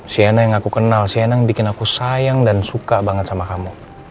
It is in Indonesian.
sienna yang aku kenal sienna yang bikin aku sayang dan suka banget sama kamu